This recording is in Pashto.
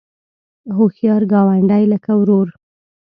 هوښیار ګاونډی لکه ورور